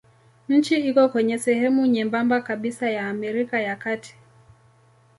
Nchi iko kwenye sehemu nyembamba kabisa ya Amerika ya Kati.